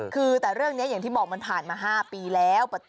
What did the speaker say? คือแต่เรื่องนี้อย่างที่บอกมันผ่านมา๕ปีแล้ว